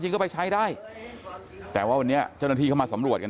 ชื่อก็ไปใช้ได้แต่ว่าวันนี้เจ้านักที่กำลังสำรวจกัน